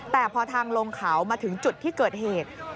แต่พอทางลงเขามาถึงจุดที่เกิดเหตุ